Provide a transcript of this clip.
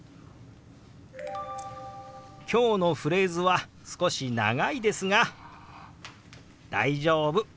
今日のフレーズは少し長いですが大丈夫。